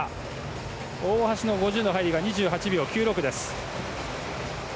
大橋の５０の入りは２８秒９６です。